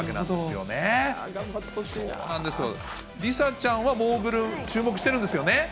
そうなんですよ、梨紗ちゃんはモーグル、注目してるんですよね。